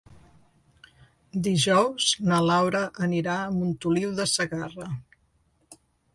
Dijous na Laura anirà a Montoliu de Segarra.